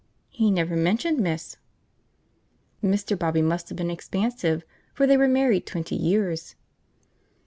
"He never mentioned, miss." (Mr. Bobby must have been expansive, for they were married twenty years.)